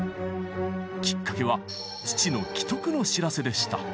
きっかけは父の危篤の知らせでした。